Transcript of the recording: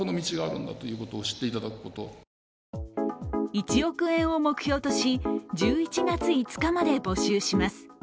１億円を目標とし１１月５日まで募集します。